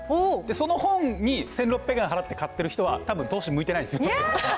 その本に１６００円払って買ってる人はたぶん、投資向いてないです。